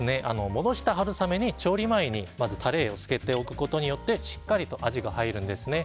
戻した春雨に調理前にタレをつけておくことによってしっかりと味が入るんですね。